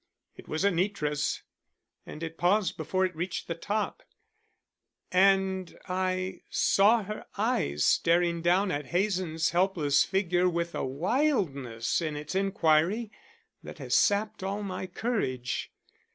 It was Anitra's and it paused before it reached the top, and I saw her eyes staring down at Hazen's helpless figure with a wildness in its inquiry that has sapped all my courage.